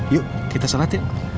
yuk kita shalatin